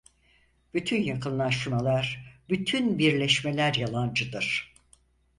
Bütün yakınlaşmalar, bütün birleşmeler yalancıdır.